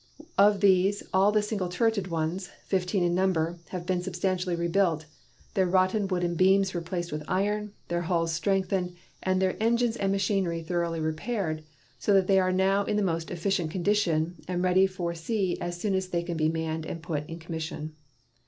Of these all the single turreted ones, fifteen in number, have been substantially rebuilt, their rotten wooden beams replaced with iron, their hulls strengthened, and their engines and machinery thoroughly repaired, so that they are now in the most efficient condition and ready for sea as soon as they can be manned and put in commission.